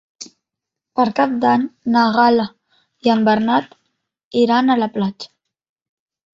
Per Cap d'Any na Gal·la i en Bernat iran a la platja.